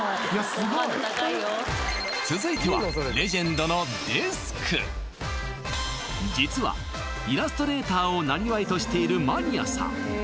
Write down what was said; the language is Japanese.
すごい続いてはレジェンドの実はイラストレーターを生業としているマニアさん